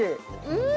うん！